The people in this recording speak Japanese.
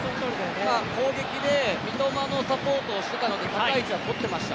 攻撃で三笘のサポートをしていたので高い位置は取っていました。